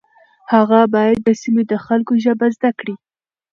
هغه باید د سیمې د خلکو ژبه زده کړي.